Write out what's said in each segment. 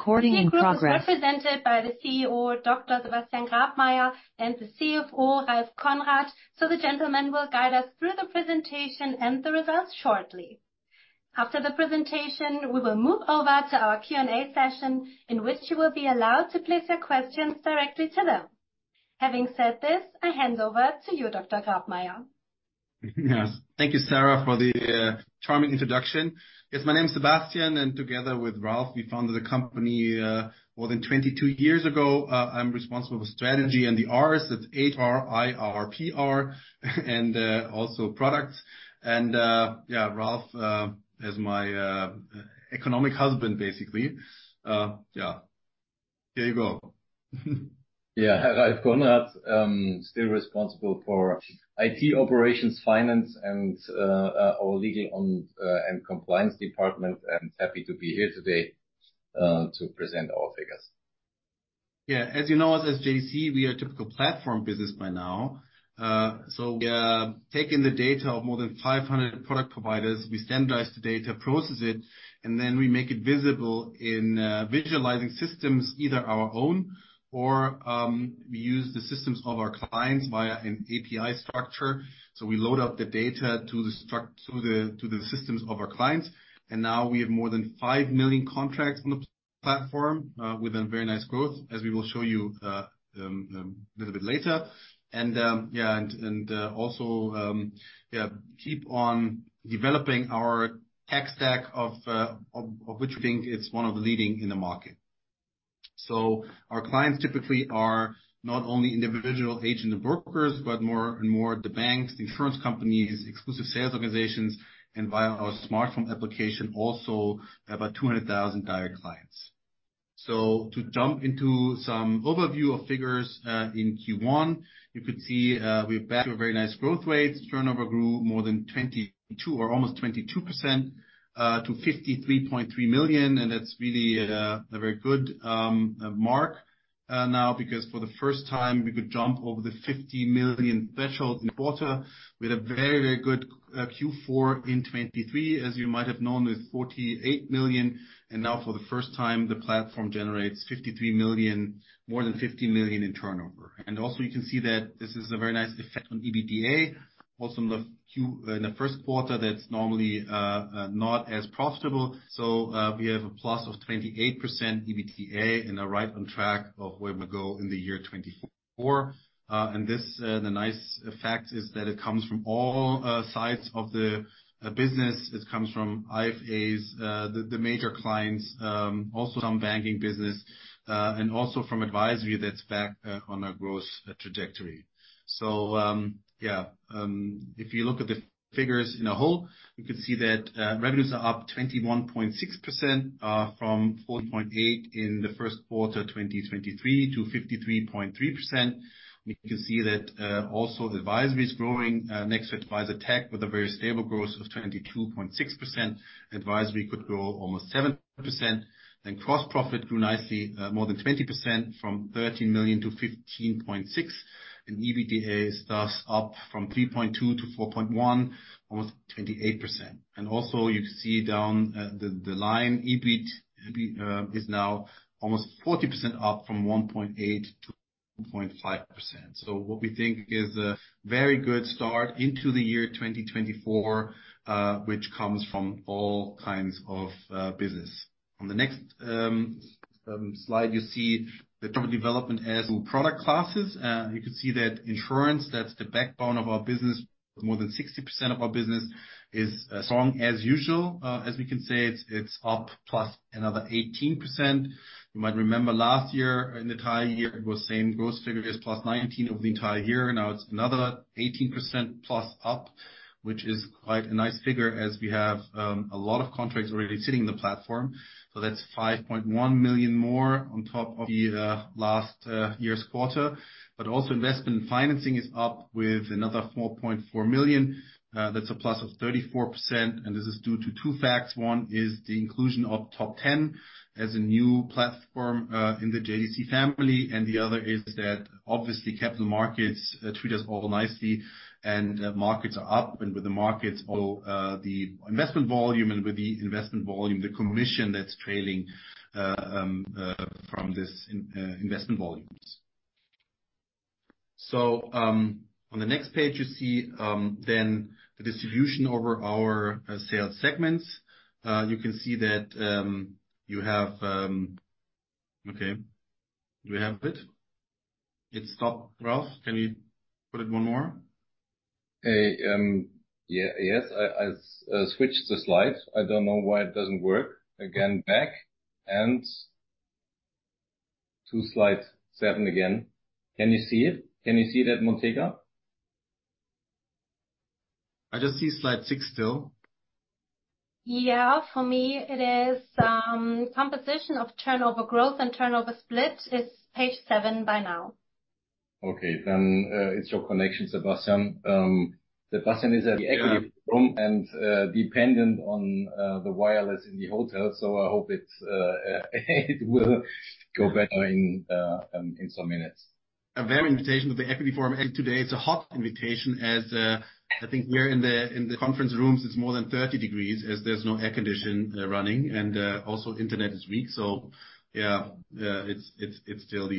JDC Group is represented by the CEO Dr. Sebastian Grabmaier and the CFO Ralph Konrad, so the gentlemen will guide us through the presentation and the results shortly. After the presentation, we will move over to our Q&A session in which you will be allowed to place your questions directly to them. Having said this, I hand over to you, Dr. Grabmaier. Yes. Thank you, Sarah, for the charming introduction. Yes, my name's Sebastian, and together with Ralph, we founded the company more than 22 years ago. I'm responsible for strategy and the Rs. That's HR, IR, PR, and also products. And yeah, Ralph is my economic husband, basically. Yeah. Here you go. Yeah. Hi, Ralph Konrad. Still responsible for IT operations, finance, and our legal and compliance department, and happy to be here today to present our figures. Yeah. As you know, as JDC, we are a typical platform business by now. So, taking the data of more than 500 product providers, we standardize the data, process it, and then we make it visible in visualizing systems, either our own or we use the systems of our clients via an API structure. So we load up the data to the systems of our clients. And now we have more than 5 million contracts on the platform, with a very nice growth, as we will show you a little bit later. And also, yeah, keep on developing our tech stack, of which we think it's one of the leading in the market. So our clients typically are not only individual agent and brokers, but more and more the banks, the insurance companies, exclusive sales organizations, and via our smartphone application, also about 200,000 direct clients. So to jump into some overview of figures, in Q1, you could see, we're back to a very nice growth rate. Turnover grew more than 22% or almost 22%, to 53.3 million. And that's really, a very good, mark, now because for the first time, we could jump over the 50 million threshold in the quarter. We had a very, very good, Q4 in 2023, as you might have known, with 48 million. And now for the first time, the platform generates 53 million, more than 50 million in turnover. And also, you can see that this is a very nice effect on EBITDA, also in the Q in the first quarter. That's normally not as profitable. So, we have a plus of 28% EBITDA and are right on track of where we're gonna go in the year 2024. And this, the nice fact is that it comes from all sides of the business. It comes from IFAs, the major clients, also some banking business, and also from advisory that's back on a growth trajectory. So, yeah, if you look at the figures in a whole, you could see that revenues are up 21.6%, from 40.8 million in the first quarter of 2023 to 53.3 million. And you can see that also advisory is growing, next to Advisortech with a very stable growth of 22.6%. Advisory could grow almost 7%. Then gross-profit grew nicely, more than 20% from 13 million to 15.6 million. And EBITDA is thus up from 3.2 million to 4.1 million, almost 28%. Also, you can see down the line, EBIT is now almost 40% up from 1.8%-2.5%. So what we think is a very good start into the year 2024, which comes from all kinds of business. On the next slide, you see the development as to product classes. You could see that insurance, that's the backbone of our business, more than 60% of our business, is strong as usual, as we can say. It's up plus another 18%. You might remember last year, in the entire year, it was same growth figures, +19% over the entire year. Now it's another 18%+ up, which is quite a nice figure as we have a lot of contracts already sitting in the platform. So that's 5.1 million more on top of the last year's quarter. But also, investment and financing is up with another 4.4 million. That's a plus of 34%. And this is due to two facts. One is the inclusion of Top Ten as a new platform, in the JDC family. And the other is that, obviously, capital markets, treat us all nicely, and, markets are up. And with the markets, also, the investment volume and with the investment volume, the commission that's trailing, from this in, investment volumes. So, on the next page, you see, then the distribution over our, sales segments. You can see that, you have, okay. Do we have it? It stopped, Ralph. Can you put it one more? Hey, yeah, yes. I switched the slide. I don't know why it doesn't work. Again, back. To slide seven again. Can you see it? Can you see it at Montega? I just see slide six still. Yeah. For me, it is, composition of turnover growth and turnover split is page seven by now. Okay. Then, it's your connection, Sebastian. Sebastian is at the equity forum and, dependent on, the wireless in the hotel. So I hope it will go better in some minutes. A very invitation to the equity forum today. It's a hot invitation as, I think here in the conference rooms, it's more than 30 degrees as there's no air conditioning running. Also, internet is weak. So yeah, it's still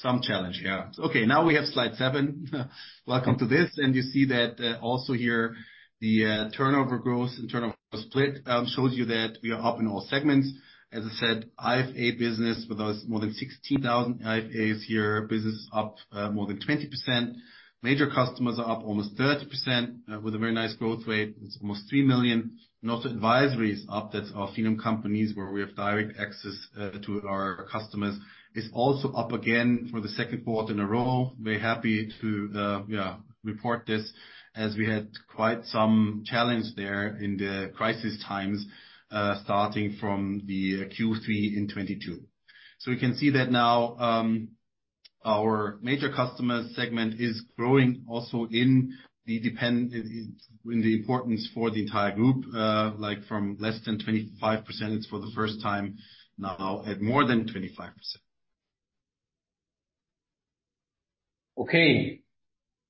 some challenge. Yeah. Okay. Now we have slide seven. Welcome to this. You see that, also here, the turnover growth and turnover split shows you that we are up in all segments. As I said, IFA business with us, more than 16,000 IFAs here, business up more than 20%. Major customers are up almost 30%, with a very nice growth rate. It's almost 3 million. Also, advisory is up. That's our FiNUM companies where we have direct access to our customers. It's also up again for the second quarter in a row. Very happy to, yeah, report this as we had quite some challenge there in the crisis times, starting from the Q3 in 2022. So you can see that now, our major customers segment is growing also in the dependence in the importance for the entire group, like from less than 25%. It's for the first time now at more than 25%. Okay.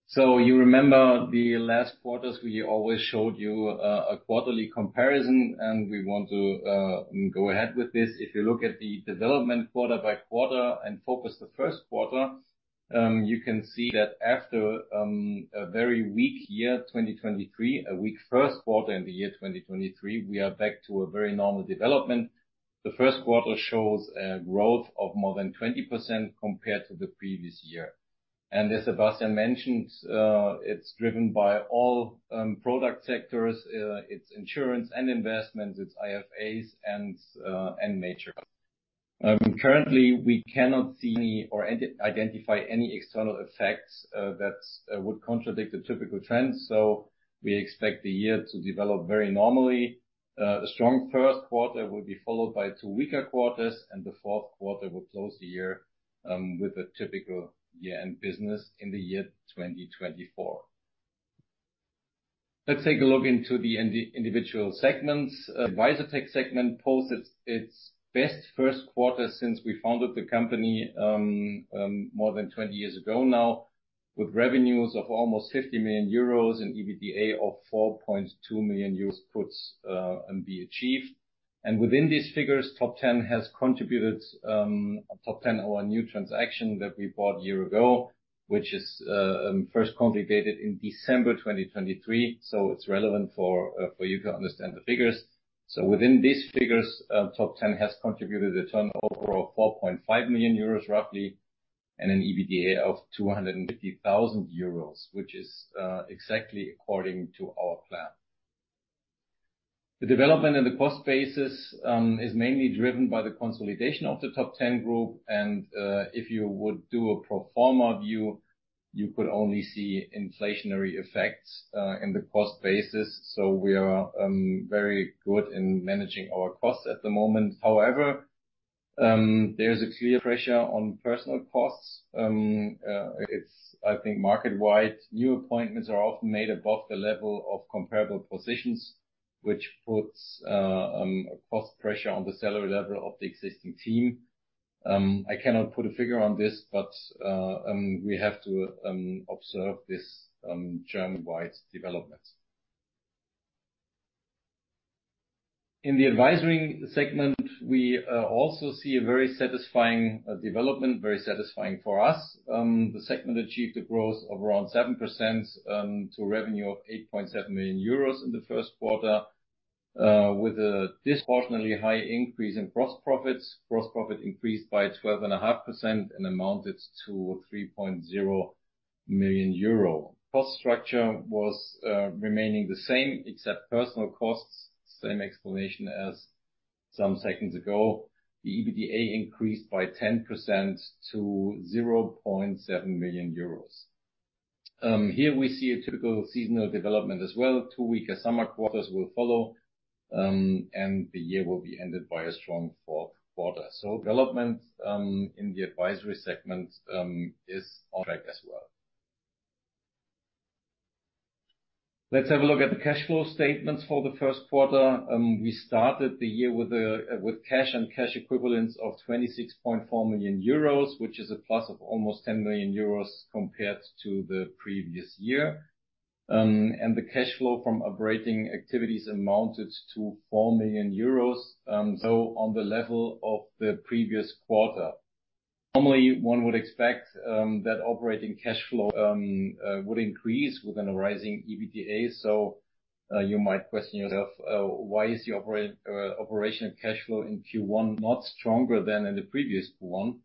So you remember the last quarters, we always showed you a quarterly comparison. And we want to go ahead with this. If you look at the development quarter by quarter and focus the first quarter, you can see that after a very weak year, 2023, a weak first quarter in the year 2023, we are back to a very normal development. The first quarter shows a growth of more than 20% compared to the previous year. And as Sebastian mentioned, it's driven by all product sectors. It's insurance and investments. It's IFAs and and major. Currently, we cannot see any or identify any external effects that would contradict the typical trends. So we expect the year to develop very normally. A strong first quarter will be followed by two weaker quarters. And the fourth quarter will close the year with a typical year-end business in the year 2024. Let's take a look into the individual segments. Advisortech segment posts its best first quarter since we founded the company, more than 20 years ago now, with revenues of almost 50 million euros and EBITDA of 4.2 million euros to be achieved. Within these figures, Top Ten has contributed, our new transaction that we bought a year ago, which was first consolidated in December 2023. It's relevant for you to understand the figures. Within these figures, Top Ten has contributed a turnover of 4.5 million euros, roughly, and an EBITDA of 250,000 euros, which is exactly according to our plan. The development in the cost basis is mainly driven by the consolidation of the Top Ten Group. If you would do a pro forma view, you could only see inflationary effects in the cost basis. So we are very good in managing our costs at the moment. However, there's a clear pressure on personnel costs. It's, I think, market-wide. New appointments are often made above the level of comparable positions, which puts a cost pressure on the salary level of the existing team. I cannot put a figure on this, but we have to observe this German-wide development. In the advisory segment, we also see a very satisfying development, very satisfying for us. The segment achieved a growth of around 7% to a revenue of 8.7 million euros in the first quarter, with a disproportionately high increase in gross profits. Gross profit increased by 12.5% and amounted to 3.0 million euro. Cost structure was remaining the same, except personnel costs, same explanation as some seconds ago. The EBITDA increased by 10% to 0.7 million euros. Here we see a typical seasonal development as well. Two weaker summer quarters will follow, and the year will be ended by a strong fourth quarter. So development, in the advisory segment, is on track as well. Let's have a look at the cash flow statements for the first quarter. We started the year with cash and cash equivalents of 26.4 million euros, which is a plus of almost 10 million euros compared to the previous year. And the cash flow from operating activities amounted to 4 million euros, so on the level of the previous quarter. Normally, one would expect, that operating cash flow, would increase with an arising EBITDA. So, you might question yourself, why is the operational cash flow in Q1 not stronger than in the previous Q1?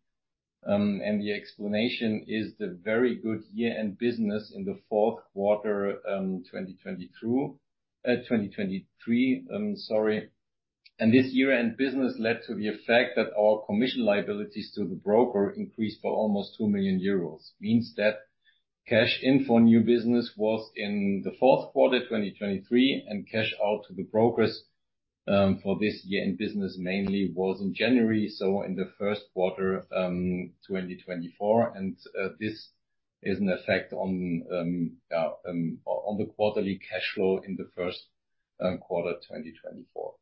And the explanation is the very good year-end business in the fourth quarter, 2023, sorry. This year-end business led to the effect that our commission liabilities to the broker increased by almost 2 million euros. Means that cash in for new business was in the fourth quarter, 2023, and cash out to the brokers, for this year-end business mainly was in January. So in the first quarter, 2024. And this is an effect on, yeah, on the quarterly cash flow in the first quarter, 2024.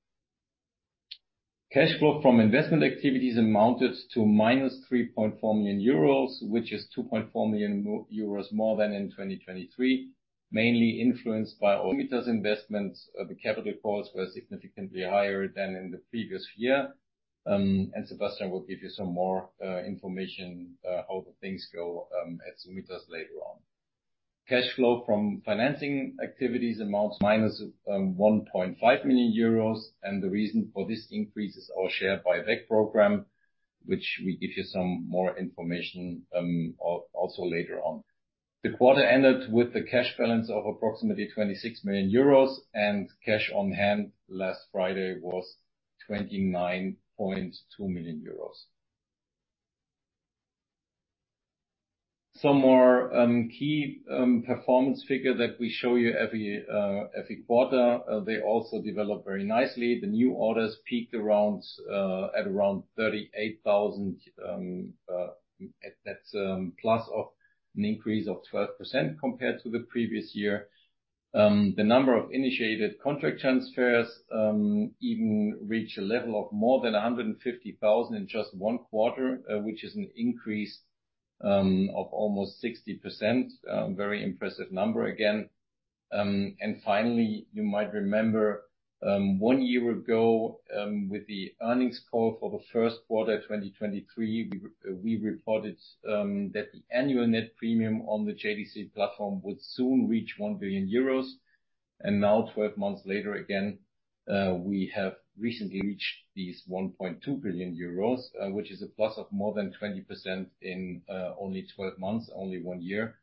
Cash flow from investment activities amounted to -3.4 million euros, which is 2.4 million euros more than in 2023, mainly influenced by Summitas investments. The capital calls were significantly higher than in the previous year. And Sebastian will give you some more information, how the things go, at Summitas later on. Cash flow from financing activities amounts to -1.5 million euros. The reason for this increase is our share buyback program, which we give you some more information, also later on. The quarter ended with the cash balance of approximately 26 million euros. Cash on hand last Friday was 29.2 million euros. Some more key performance figure that we show you every quarter, they also developed very nicely. The new orders peaked around at around 38,000. That's a plus of an increase of 12% compared to the previous year. The number of initiated contract transfers even reached a level of more than 150,000 in just one quarter, which is an increase of almost 60%. Very impressive number again. Finally, you might remember, one year ago, with the earnings call for the first quarter, 2023, we reported that the annual net premium on the JDC Platform would soon reach 1 billion euros. And now, 12 months later again, we have recently reached 1.2 billion euros, which is a plus of more than 20% in only 12 months, only one year.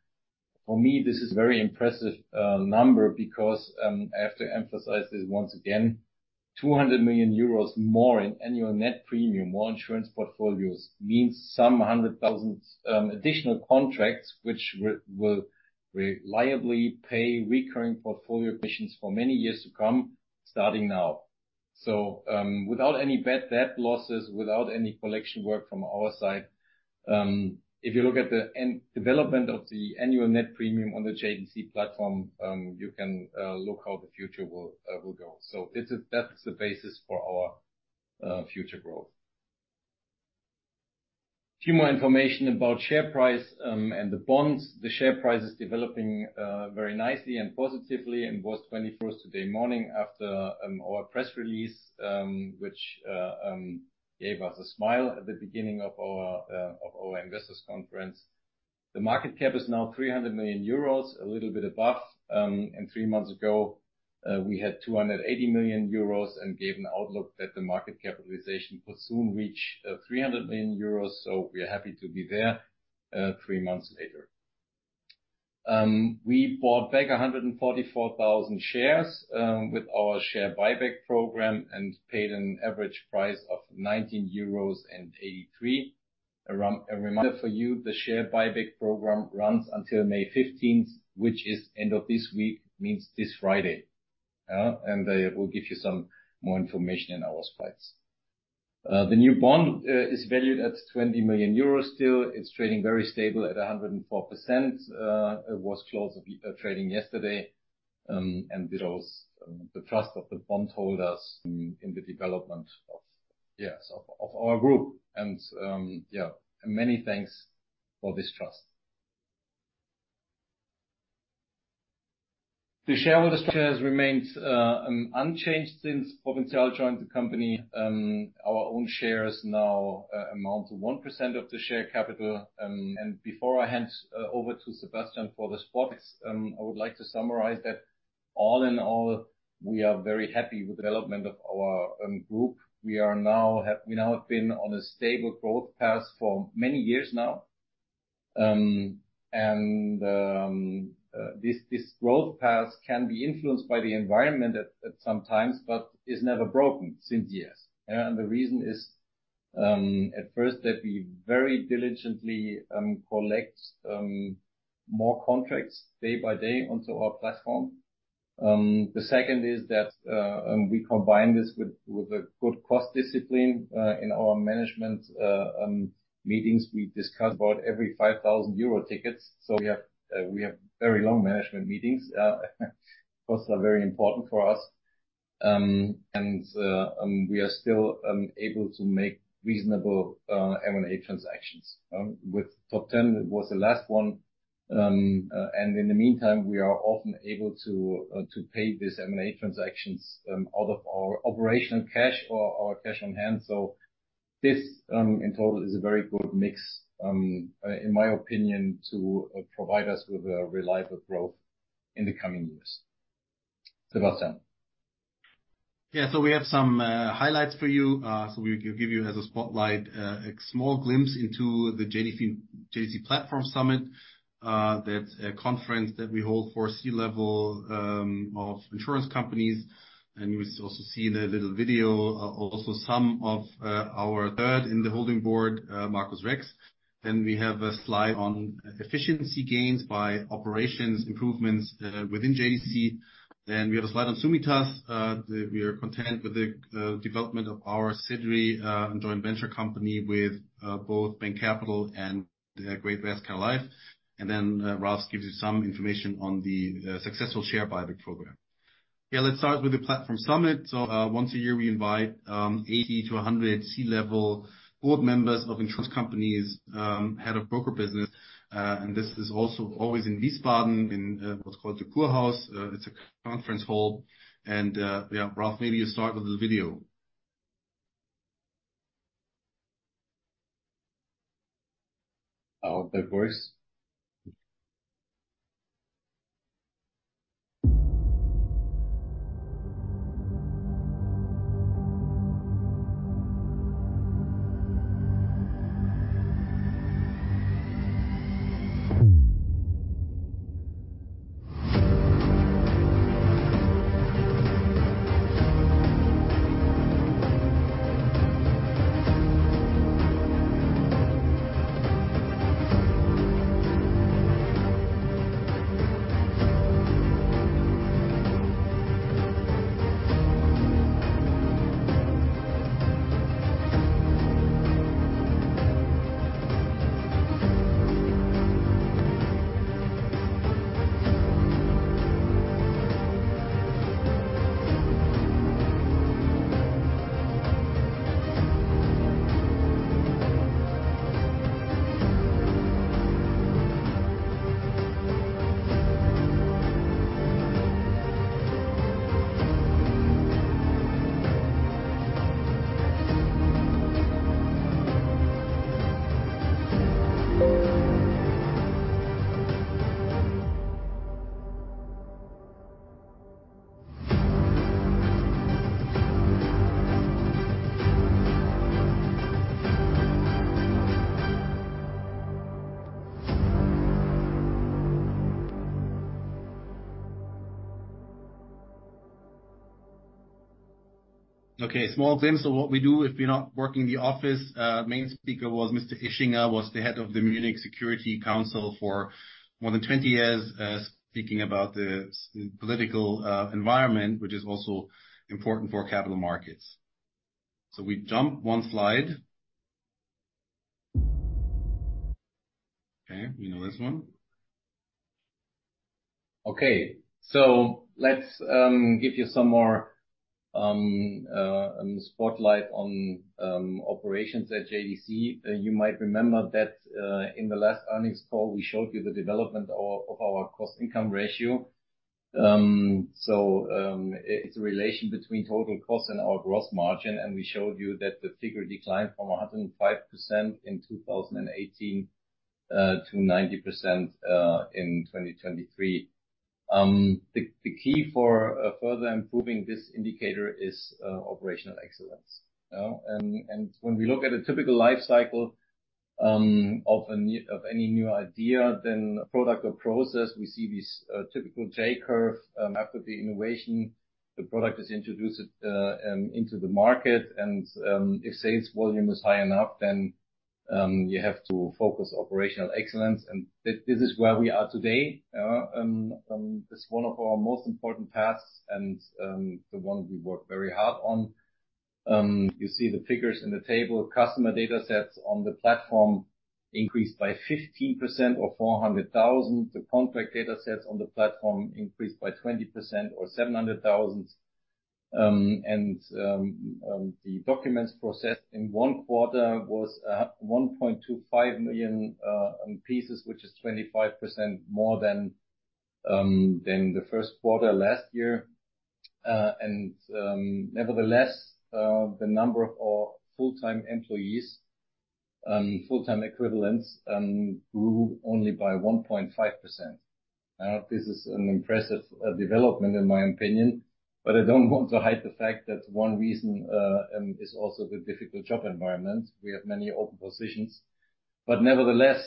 For me, this is a very impressive number because I have to emphasize this once again, 200 million euros more in annual net premium, more insurance portfolios, means some 100,000 additional contracts, which will reliably pay recurring portfolio commissions for many years to come, starting now. So, without any bad debt losses, without any collection work from our side, if you look at the annual development of the annual net premium on the JDC Platform, you can look how the future will go. So this is, that's the basis for our future growth. A few more information about share price, and the bonds. The share price is developing very nicely and positively and was. This morning after our press release, which gave us a smile at the beginning of our investors' conference. The market cap is now 300 million euros, a little bit above. Three months ago, we had 280 million euros and gave an outlook that the market capitalization could soon reach 300 million euros. So we are happy to be there, three months later. We bought back 144,000 shares with our share buyback program and paid an average price of 19.83 euros. A reminder for you, the share buyback program runs until May 15th, which is end of this week, means this Friday. Yeah? And I will give you some more information in our slides. The new bond is valued at 20 million euros still. It's trading very stable at 104%. It was close to trading yesterday, and it was the trust of the bondholders in the development of our group. Yeah, many thanks for this trust. The shareholder structure has remained unchanged since Provinzial joined the company. Our own shares now amount to 1% of the share capital. Before I hand over to Sebastian for the strategy, I would like to summarize that all in all, we are very happy with the development of our group. We now have been on a stable growth path for many years now. This growth path can be influenced by the environment at times, but is never broken since years. Yeah? The reason is, at first, that we very diligently collect more contracts day by day onto our platform. The second is that we combine this with a good cost discipline. In our management meetings, we discuss about every 5,000 euro tickets. So we have very long management meetings. Yeah? Costs are very important for us. And we are still able to make reasonable M&A transactions. Yeah? With Top Ten, it was the last one. And in the meantime, we are often able to pay these M&A transactions out of our operational cash or our cash on hand. So this, in total, is a very good mix, in my opinion, to provide us with a reliable growth in the coming years. Sebastian. Yeah. So we have some highlights for you. So we'll give you as a spotlight a small glimpse into the JDC Platform Summit. That's a conference that we hold for C-level of insurance companies. And you will also see in a little video, also some of our third in the holding board, Marcus Rex. Then we have a slide on efficiency gains by operations improvements within JDC. Then we have a slide on Summitas. We are content with the development of our Summitas, and joint venture company with both Bain Capital and Great-West Lifeco. And then, Ralph gives you some information on the successful share buyback program. Yeah. Let's start with the Platform Summit. So, once a year, we invite 80-100 C-level board members of insurance companies, head of broker business. And this is also always in Wiesbaden, in what's called the Kurhaus. It's a conference hall. And, yeah, Ralph, maybe you start with the video. How that works. Okay. Small glimpse of what we do. If you're not working in the office, main speaker was Mr. Ischinger was the head of the Munich Security Conference for more than 20 years, speaking about the political environment, which is also important for capital markets. So we jump one slide. Okay. We know this one. Okay. So let's give you some more spotlight on operations at JDC. You might remember that, in the last earnings call, we showed you the development of our cost-income ratio. So, it's a relation between total cost and our gross margin. And we showed you that the figure declined from 105% in 2018 to 90% in 2023. The key for further improving this indicator is operational excellence. Yeah? And when we look at a typical lifecycle of any new idea, then product or process, we see these typical J curve. After the innovation, the product is introduced into the market. If sales volume is high enough, then, you have to focus operational excellence. This, this is where we are today. Yeah? It's one of our most important tasks and, the one we work very hard on. You see the figures in the table. Customer datasets on the platform increased by 15% or 400,000. The contract datasets on the platform increased by 20% or 700,000. The documents processed in one quarter was 1.25 million pieces, which is 25% more than the first quarter last year. Nevertheless, the number of our full-time employees, full-time equivalents, grew only by 1.5%. Yeah? This is an impressive development, in my opinion. But I don't want to hide the fact that one reason is also the difficult job environment. We have many open positions. But nevertheless,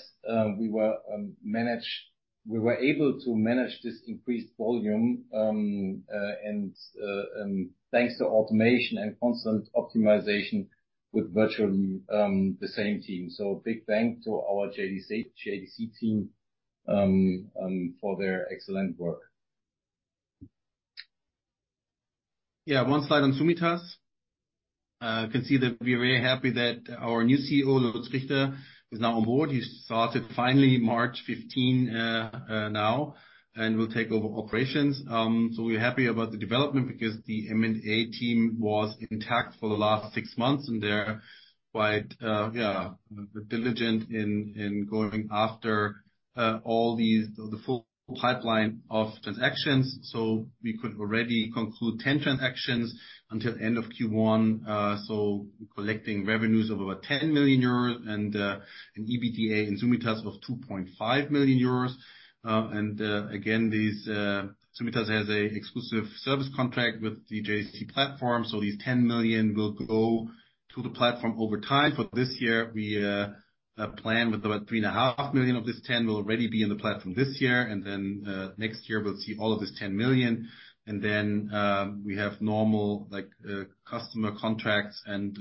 we were able to manage this increased volume, and thanks to automation and constant optimization with virtually the same team. So a big thank you to our JDC team for their excellent work. Yeah. One slide on Summitas. You can see that we are very happy that our new CEO, Lutz Richter, is now on board. He finally started March 15 now and will take over operations. So we're happy about the development because the M&A team was intact for the last six months, and they're quite diligent in going after all these, the full pipeline of transactions. So we could already conclude 10 transactions until end of Q1, so collecting revenues of over 10 million euros and an EBITDA in Summitas of 2.5 million euros. And again, Summitas has an exclusive service contract with the JDC Platform. So these 10 million will go to the platform over time. For this year, we plan with about 3.5 million of this 10 will already be in the platform this year. Then, next year, we'll see all of this 10 million. Then, we have normal, like, customer contracts, and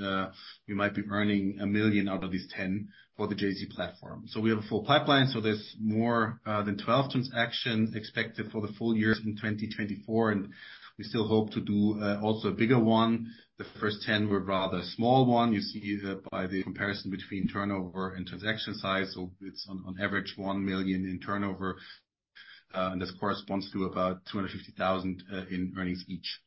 we might be earning 1 million out of these 10 for the JDC Platform. So we have a full pipeline. So there's more than 12 transactions expected for the full year in 2024. And we still hope to do also a bigger one. The first 10 were rather a small one. You see, by the comparison between turnover and transaction size, so it's on average 1 million in turnover. And this corresponds to about 250,000 in earnings each.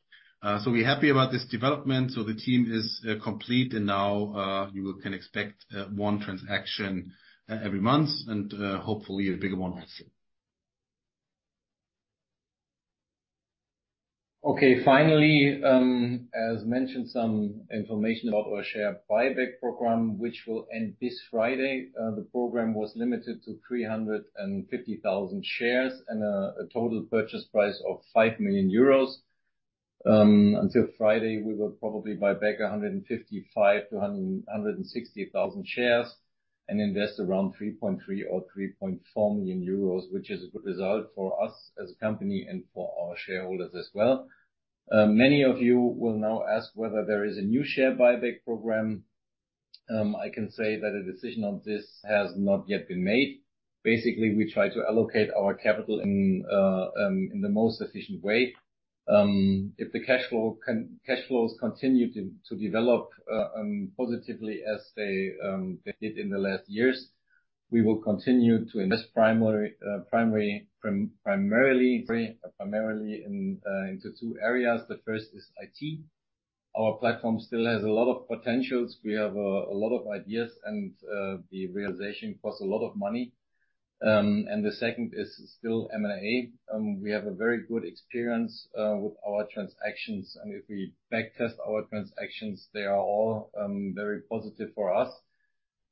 So we're happy about this development. So the team is complete. And now, you will can expect one transaction every month and, hopefully, a bigger one also. Okay. Finally, as mentioned, some information about our share buyback program, which will end this Friday. The program was limited to 350,000 shares and a total purchase price of 5 million euros. Until Friday, we will probably buy back 155,000-160,000 shares and invest around 3.3 million or 3.4 million euros, which is a good result for us as a company and for our shareholders as well. Many of you will now ask whether there is a new share buyback program. I can say that a decision on this has not yet been made. Basically, we try to allocate our capital in the most efficient way. If the cash flows continue to develop positively as they did in the last years, we will continue to invest primarily in two areas. The first is IT. Our platform still has a lot of potentials. We have a lot of ideas, and the realization costs a lot of money. And the second is still M&A. We have a very good experience with our transactions. And if we backtest our transactions, they are all very positive for us.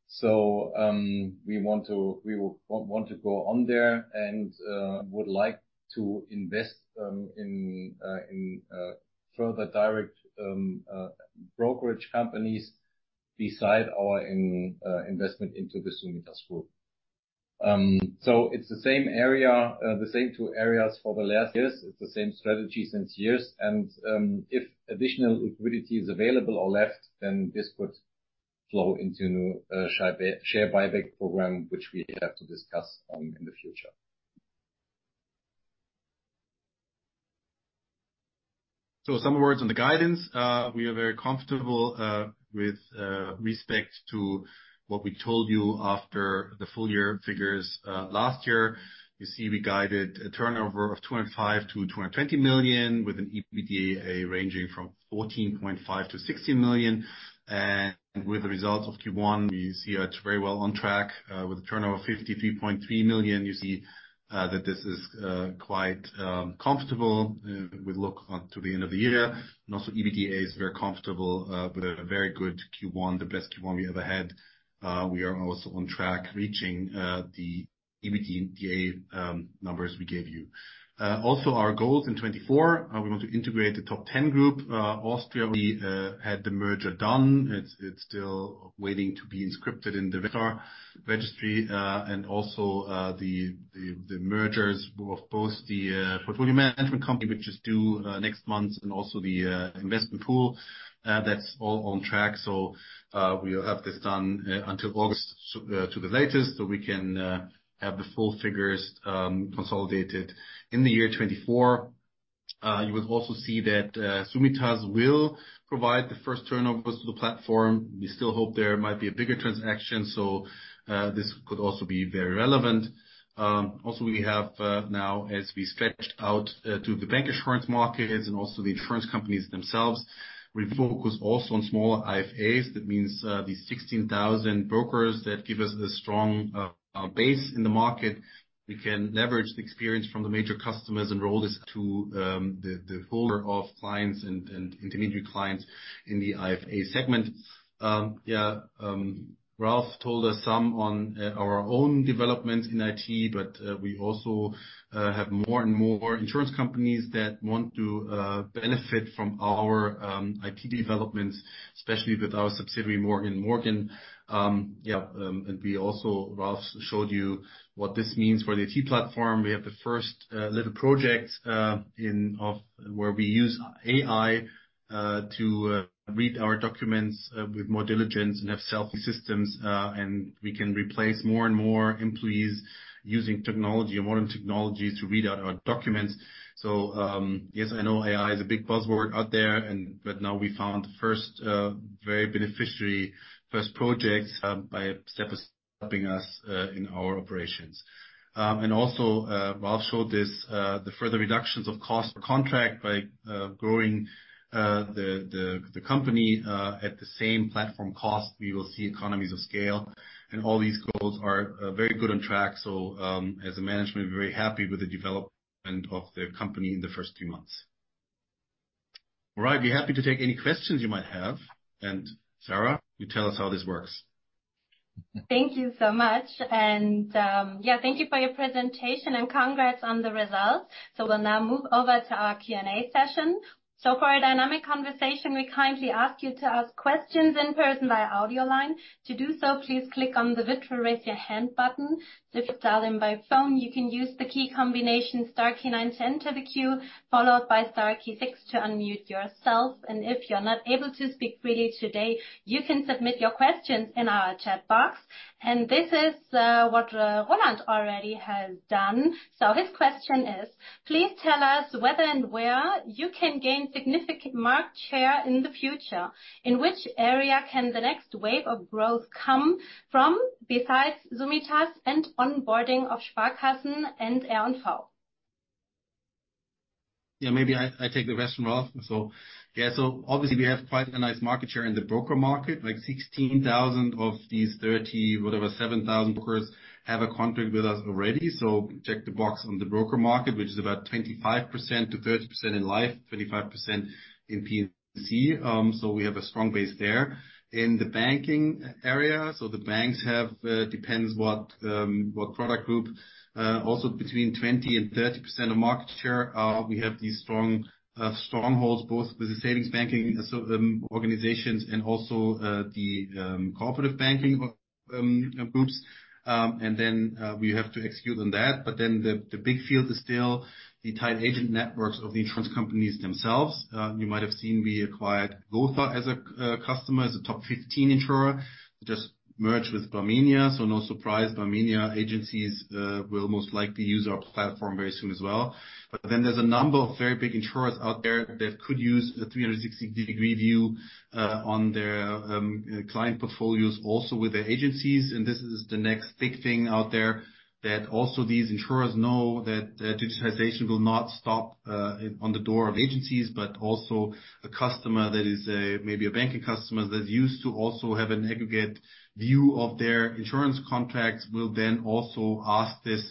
So, we will want to go on there and would like to invest in further direct brokerage companies beside our investment into the Summitas Group. So it's the same area, the same two areas for the last years. It's the same strategy since years. If additional liquidity is available or left, then this could flow into a new share buyback program, which we have to discuss in the future. Some words on the guidance. We are very comfortable with respect to what we told you after the full year figures last year. You see, we guided a turnover of 205 million-220 million with an EBITDA ranging from 14.5 million-16 million. And with the results of Q1, we see it's very well on track with a turnover of 53.3 million. You see that this is quite comfortable with look on to the end of the year. And also, EBITDA is very comfortable with a very good Q1, the best Q1 we ever had. We are also on track reaching the EBITDA numbers we gave you. Also, our goals in 2024, we want to integrate the Top Ten Group, Austria. We had the merger done. It's still waiting to be inscribed in the commercial registry, and also the mergers of both the portfolio management company, which is due next month, and also the investment pool. That's all on track. So, we'll have this done until August at the latest so we can have the full figures consolidated in the year 2024. You will also see that Summitas will provide the first turnovers to the platform. We still hope there might be a bigger transaction. So, this could also be very relevant. Also, we have now, as we stretched out to the bancassurance markets and also the insurance companies themselves, we focus also on smaller IFAs. That means the 16,000 brokers that give us a strong base in the market. We can leverage the experience from the major customers and roll this to the other clients and intermediate clients in the IFA segment. Yeah, Ralph told us something on our own developments in IT. But we also have more and more insurance companies that want to benefit from our IT developments, especially with our subsidiary, Morgen & Morgen. Yeah, and we also, Ralph showed you what this means for the IT platform. We have the first little project in which we use AI to read our documents with more diligence and have self-systems. And we can replace more and more employees using technology, modern technology, to read out our documents. So, yes, I know AI is a big buzzword out there. But now we found the first very beneficial first projects by stepping up in our operations. And also, Ralph showed this, the further reductions of cost per contract by growing the company at the same platform cost. We will see economies of scale. And all these goals are very good on track. So, as a management, we're very happy with the development of the company in the first two months. All right. We're happy to take any questions you might have. And Sarah, you tell us how this works. Thank you so much. And yeah, thank you for your presentation. And congrats on the results. So we'll now move over to our Q&A session. So for a dynamic conversation, we kindly ask you to ask questions in person via audio line. To do so, please click on the "Virtual Raise Your Hand" button. So if you dial in by phone, you can use the key combination star key nine 10 to the queue, followed by star key six to unmute yourself. If you're not able to speak freely today, you can submit your questions in our chat box. This is, what, Roland already has done. So his question is, "Please tell us whether and where you can gain significant market share in the future. In which area can the next wave of growth come from besides Summitas and onboarding of Sparkassen and R+V?" Yeah. Maybe I take the rest from Ralph. So, yeah. So obviously, we have quite a nice market share in the broker market. Like, 16,000 of these 30, whatever, 7,000 brokers have a contract with us already. So check the box on the broker market, which is about 25%-30% in life, 25% in P&C. So we have a strong base there. In the banking area, the banks have, depends what product group, also between 20%-30% of market share. We have these strong strongholds both with the savings banking organizations and also the cooperative banking groups. And then we have to execute on that. But then the big field is still the tied agent networks of the insurance companies themselves. You might have seen we acquired Gothaer as a customer, as a Top 15 insurer. Just merged with Barmenia. So no surprise. Barmenia agencies will most likely use our platform very soon as well. But then there's a number of very big insurers out there that could use a 360-degree view on their client portfolios also with their agencies. And this is the next big thing out there that also these insurers know that, digitization will not stop, on the door of agencies. But also, a customer that is maybe a banking customer that used to also have an aggregate view of their insurance contracts will then also ask this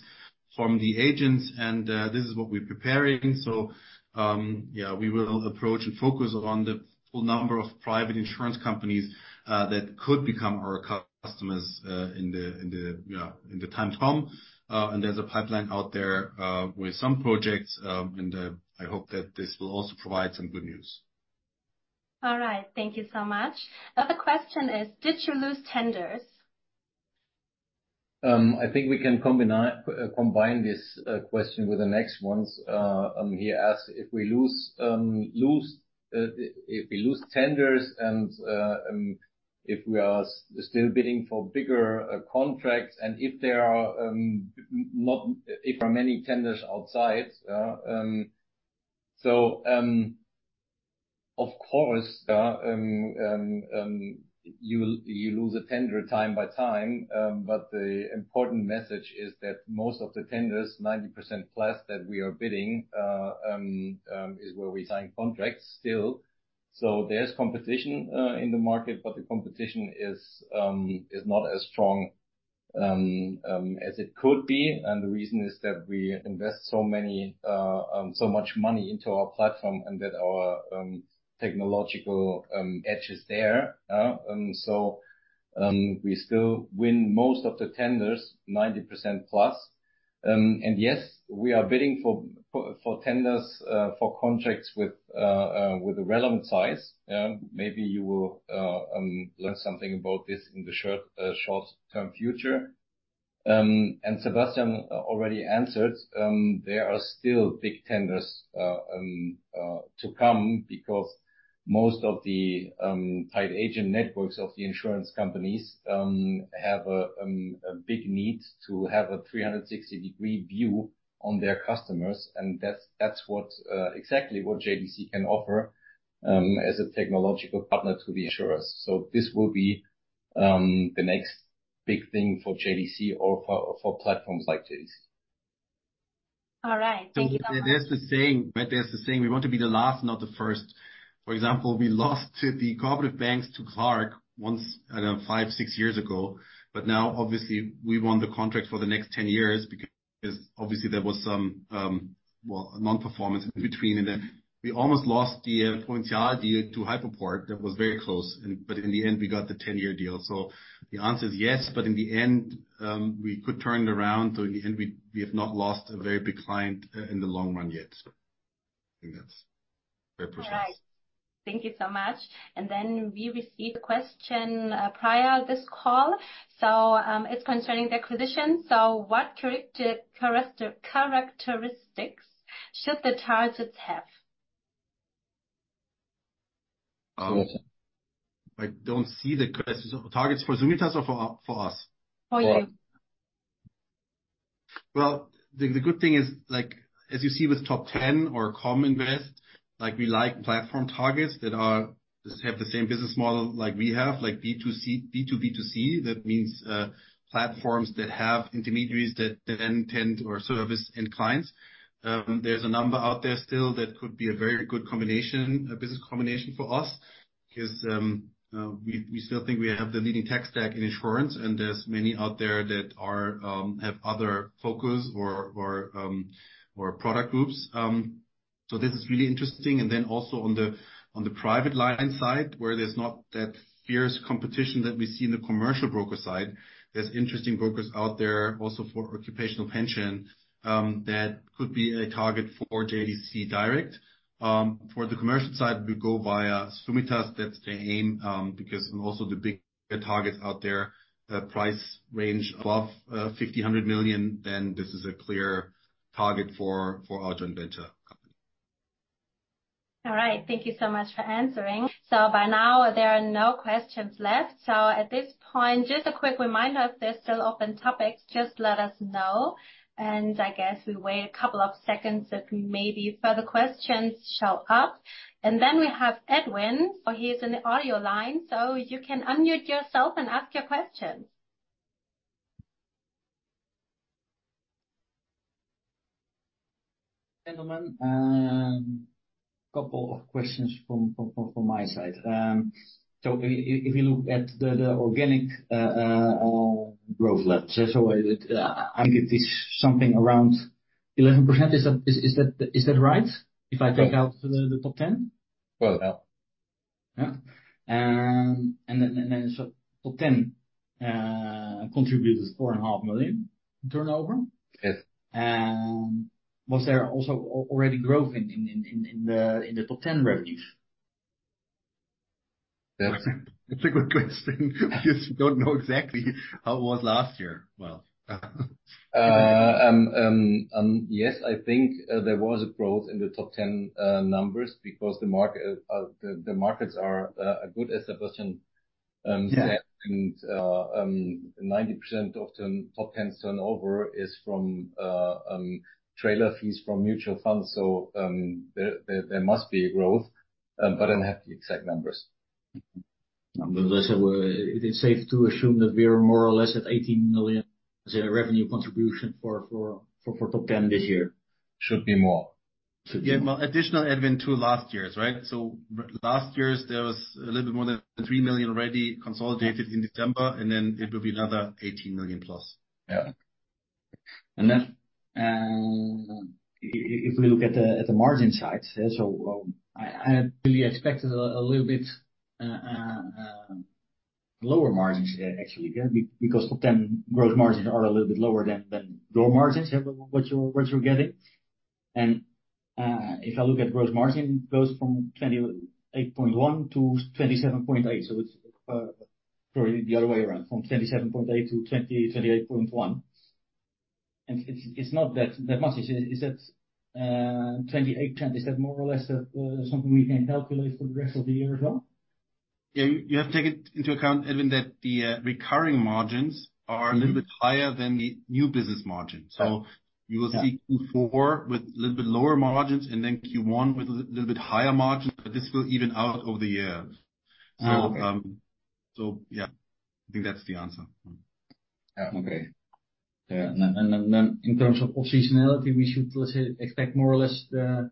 from the agents. And, this is what we're preparing. So, yeah, we will approach and focus on the full number of private insurance companies, that could become our customers, in the, yeah, in the time to come. And there's a pipeline out there, with some projects. And, I hope that this will also provide some good news. All right. Thank you so much. Another question is, "Did you lose tenders?" I think we can combine this question with the next ones. He asked, "If we lose, lose, if we lose tenders and if we are still bidding for bigger contracts and if there are not many tenders outside, yeah?" So, of course, yeah, you'll you lose a tender time by time. But the important message is that most of the tenders, 90% plus that we are bidding, is where we sign contracts still. So there's competition in the market. But the competition is not as strong as it could be. And the reason is that we invest so many, so much money into our platform and that our technological edge is there, yeah? So we still win most of the tenders, 90% plus. And yes, we are bidding for tenders for contracts with a relevant size. Yeah. Maybe you will learn something about this in the short-term future. And Sebastian already answered. There are still big tenders to come because most of the tied agent networks of the insurance companies have a big need to have a 360-degree view on their customers. And that's exactly what JDC can offer as a technological partner to the insurers. So this will be the next big thing for JDC or for platforms like JDC. All right. Thank you so much. There's the saying, right? There's the saying, "We want to be the last, not the first." For example, we lost the cooperative banks to Clark once, I don't know, five, six years ago. But now, obviously, we want the contracts for the next 10 years because, obviously, there was some well, non-performance in between. And then we almost lost the Provinzial deal to Hyperport that was very close. And but in the end, we got the 10-year deal. So the answer is yes. But in the end, we could turn it around. So in the end, we have not lost a very big client, in the long run yet. I think that's very precise. All right. Thank you so much. And then we received a question, prior to this call. So, it's concerning the acquisition. So what characteristics should the targets have? I don't see the targets for Summitas or for us? For you. Well, the good thing is, like, as you see with Top Ten or KOMM Invest, like, we like platform targets that are have the same business model like we have, like B2C, B2B2C. That means, platforms that have intermediaries that then tend or service end clients. There's a number out there still that could be a very good combination, a business combination for us because, we, we still think we have the leading tech stack in insurance. And there's many out there that are, have other focus or, or, or product groups. So this is really interesting. And then also on the on the private line side, where there's not that fierce competition that we see in the commercial broker side, there's interesting brokers out there also for occupational pension, that could be a target for JDC Direct. For the commercial side, we go via Summitas. That's the aim, because and also the bigger targets out there, price range above 50 million-100 million, then this is a clear target for, for our joint venture company. All right. Thank you so much for answering. So by now, there are no questions left. So at this point, just a quick reminder, if there's still open topics, just let us know. And I guess we wait a couple of seconds if maybe further questions show up. And then we have Edwin. He's in the audio line. So you can unmute yourself and ask your questions. Gentlemen, couple of questions from my side. So if you look at the organic growth levels, so I think it is something around 11%. Is that right if I take out the Top Ten? Well, yeah. Yeah. And then so Top Ten contributed 4.5 million turnover. Yes. Was there also already growth in the Top Ten revenues? That's a good question because we don't know exactly how it was last year. Well. Yes, I think there was a growth in the Top Ten numbers because the markets are good, as Sebastian said. And 90% of the Top Ten's turnover is from trailer fees from mutual funds. So there must be a growth, but I don't have the exact numbers. As I said, it's safe to assume that we are more or less at 18 million as a revenue contribution for Top Ten this year. Should be more. Should be more. Yeah. Well, additional Edwin to last year's, right? So last year's, there was a little bit more than 3 million already consolidated in December. And then it will be another 18 million+. Yeah. And then, if we look at the margin side, yeah, so, I really expected a little bit lower margins, actually, yeah, because Top Ten growth margins are a little bit lower than your margins, yeah, what you're getting. And, if I look at growth margin, it goes from 28.1 to 27.8. So it's probably the other way around, from 27.8 to 28.1. And it's not that much. Is that 28%? Is that more or less something we can calculate for the rest of the year as well? Yeah. You have to take it into account, Edwin, that the recurring margins are a little bit higher than the new business margin. So you will see Q4 with a little bit lower margins and then Q1 with a little bit higher margins. But this will even out over the year. So yeah, I think that's the answer. Yeah. Okay. Yeah. And then in terms of seasonality, we should, let's say, expect more or less the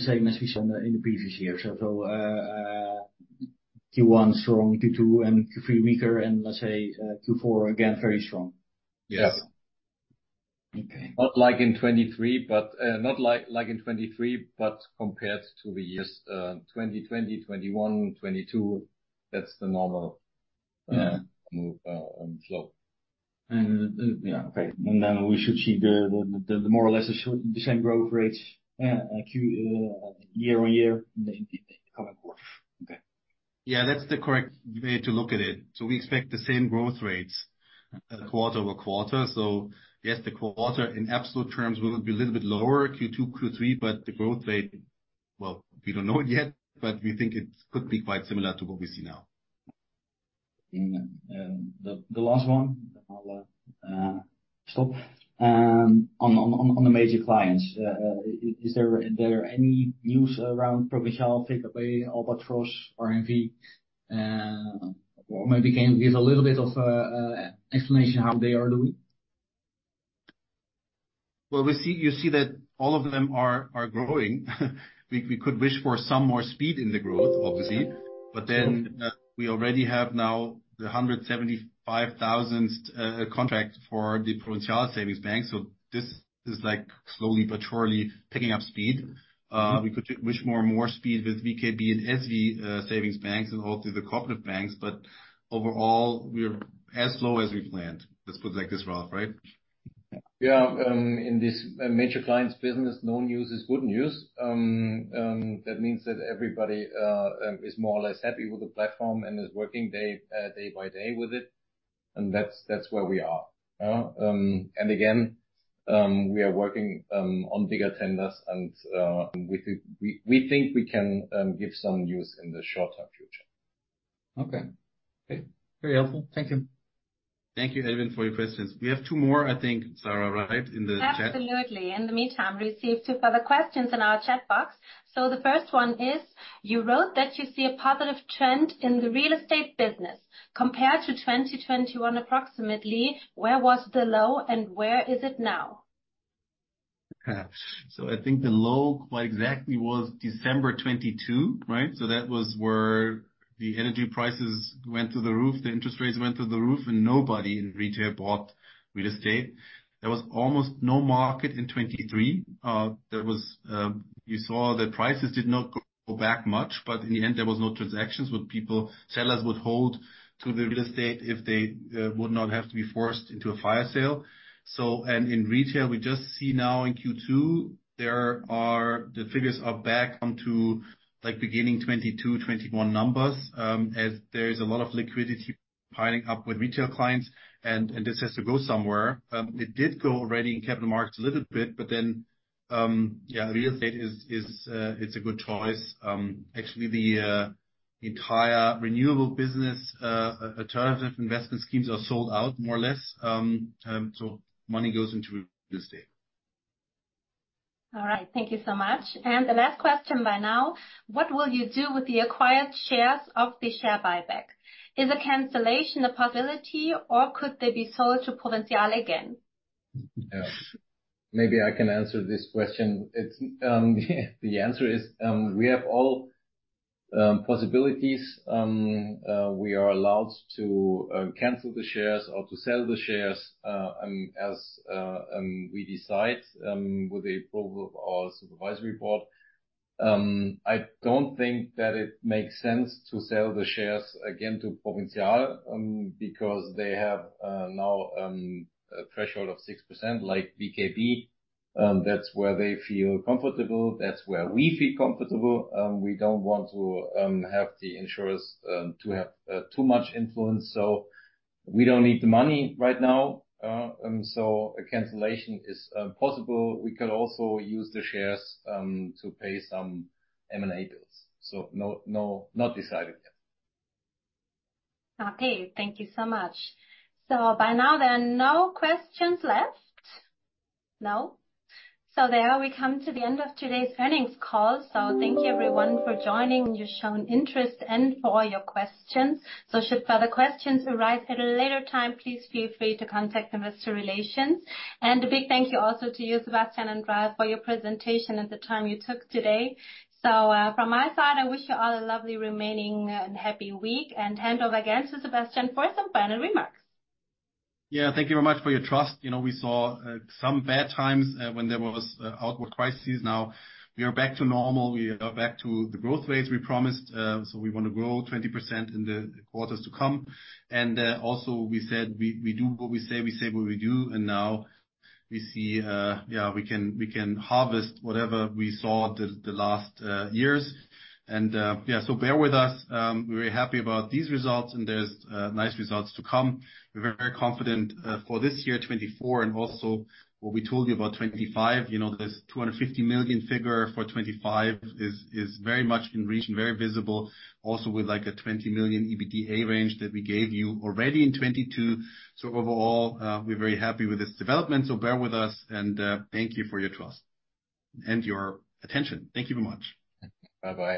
same as we saw in the previous year. So, Q1 strong, Q2 and Q3 weaker. And let's say, Q4 again, very strong. Yes. Okay. Not like in 2023, but compared to the years 2020, 2021, 2022, that's the normal move, flow. And yeah. Okay. And then we should see the more or less the same growth rates year-on-year in the coming quarters. Okay. Yeah. That's the correct way to look at it. So we expect the same growth rates, quarter-over-quarter. So yes, the quarter in absolute terms will be a little bit lower, Q2, Q3. But the growth rate, well, we don't know it yet. But we think it could be quite similar to what we see now. And the last one, I'll stop on the major clients. Is there any news around Provinzial, VKB, Albatros, R+V? Or maybe can you give a little bit of explanation how they are doing? Well, we see that all of them are growing. We could wish for some more speed in the growth, obviously. But then, we already have now the 175,000th contract for the Provinzial savings bank. So this is, like, slowly but surely picking up speed. We could wish for more speed with VKB and SV, savings banks and also the cooperative banks. But overall, we're as slow as we planned. Let's put it like this, Ralph, right? Yeah. Yeah. In this major clients business, no news is good news. That means that everybody is more or less happy with the platform and is working day by day with it. And that's where we are, yeah? And again, we are working on bigger tenders. And we think we can give some news in the short-term future. Okay. Okay. Very helpful. Thank you. Thank you, Edwin, for your questions. We have two more, I think, Sarah, right, in the chat? Absolutely. In the meantime, receive two further questions in our chat box. So the first one is, "You wrote that you see a positive trend in the real estate business. Compared to 2021 approximately, where was the low and where is it now?" Okay. So I think the low quite exactly was December 2022, right? So that was where the energy prices went through the roof, the interest rates went through the roof, and nobody in retail bought real estate. There was almost no market in 2023. There was, you saw the prices did not go back much. But in the end, there was no transactions with people. Sellers would hold to the real estate if they would not have to be forced into a fire sale. So and in retail, we just see now in Q2, there are the figures are back on to, like, beginning 2022, 2021 numbers, as there is a lot of liquidity piling up with retail clients. And, and this has to go somewhere. It did go already in capital markets a little bit. But then, yeah, real estate is, it's a good choice. Actually, the entire renewable business, alternative investment schemes are sold out more or less. So money goes into real estate. All right. Thank you so much. And the last question by now, "What will you do with the acquired shares of the share buyback? Is a cancellation a possibility, or could they be sold to Provinzial again?" Yeah. Maybe I can answer this question. It's the answer is, we have all possibilities. We are allowed to cancel the shares or to sell the shares as we decide with the approval of our supervisory board. I don't think that it makes sense to sell the shares again to Provinzial, because they have now a threshold of 6%, like VKB. That's where they feel comfortable. That's where we feel comfortable. We don't want to have the insurers to have too much influence. So we don't need the money right now. So a cancellation is possible. We could also use the shares to pay some M&A bills. So no, no, not decided yet. Okay. Thank you so much. So by now, there are no questions left. No? So there we come to the end of today's earnings call. So thank you, everyone, for joining. You've shown interest and for all your questions. So should further questions arise at a later time, please feel free to contact investor relations. And a big thank you also to you, Sebastian and Ralph, for your presentation and the time you took today. So, from my side, I wish you all a lovely remaining and happy week. And hand over again to Sebastian for some final remarks. Yeah. Thank you very much for your trust. You know, we saw some bad times, when there was outward crises. Now, we are back to normal. We are back to the growth rates we promised. So we want to grow 20% in the quarters to come. Also, we said we do what we say. We say what we do. And now, we see, yeah, we can harvest whatever we sowed the last years. Yeah, so bear with us. We're very happy about these results. And there's nice results to come. We're very confident for this year, 2024, and also what we told you about 2025. You know, this 250 million figure for 2025 is very much in reach, very visible, also with, like, a 20 million EBITDA range that we gave you already in 2022. So overall, we're very happy with this development. So bear with us. And thank you for your trust and your attention. Thank you very much. Bye-bye.